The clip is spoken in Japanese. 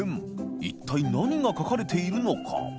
祕貘何が書かれているのか？